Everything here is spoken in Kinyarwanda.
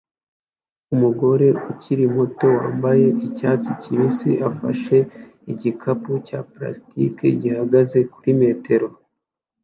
Umugore ukiri muto wambaye icyatsi kibisi ufashe igikapu cya plastiki gihagaze kuri metero